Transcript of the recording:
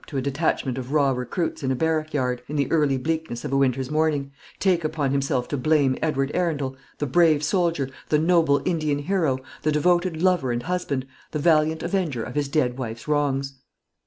to a detachment of raw recruits in a barrack yard, in the early bleakness of a winter's morning take upon himself to blame Edward Arundel, the brave soldier, the noble Indian hero, the devoted lover and husband, the valiant avenger of his dead wife's wrongs.